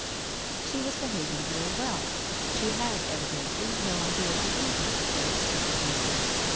She was behaving very well. She had evidently no idea of leaving her gout stricken husband.